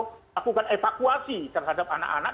melakukan evakuasi terhadap anak anak